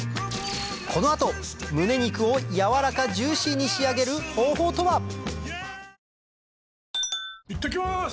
この後むね肉をやわらかジューシーに仕上げる方法とは？